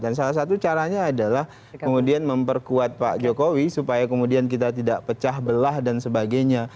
dan salah satu caranya adalah kemudian memperkuat pak jokowi supaya kemudian kita tidak pecah belah dan sebagainya